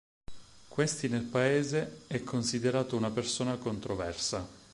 Questi nel paese è considerato una persona controversa.